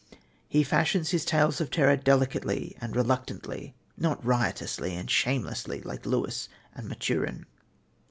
He fashions his tales of terror delicately and reluctantly, not riotously and shamelessly like Lewis and Maturin.